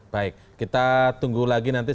baik kita tunggu lagi nanti